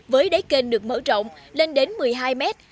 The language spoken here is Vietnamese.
với đáy kênh được mở rộng lên đến một mươi hai mét